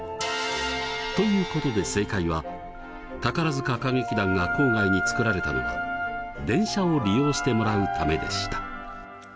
ということで正解は宝塚歌劇団が郊外に作られたのは「電車を利用してもらうため」でした。